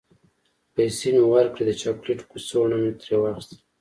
پیسې مې ورکړې، د چاکلیټو کڅوڼه مې ترې واخیستل.